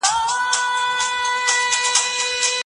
د علمي څېړنو پایلي باید د ټولني د پرمختګ له پاره وکارول سي.